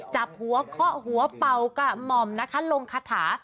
จับหัวเขาหัวเปากะหมอมลงคาถา